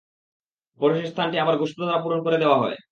পরে সে স্থানটি আবার গোশত দ্বারা পূরণ করে দেওয়া হয়।